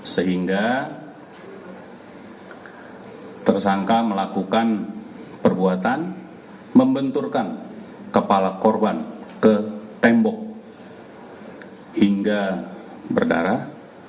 sehingga tersangka melakukan perbuatan membenturkan kepala korban ke tembok hingga berdarah